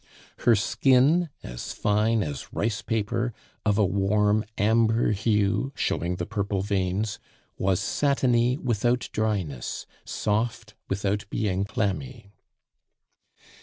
Her skin, as fine as rice paper, of a warm amber hue showing the purple veins, was satiny without dryness, soft without being clammy.